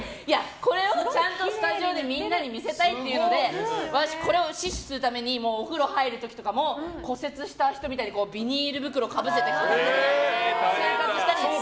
これをちゃんとスタジオでみんなに見せたいってのでこれを死守するためにお風呂入る時とかも骨折した人みたいにビニール袋をかぶせて、片手で生活してたんです。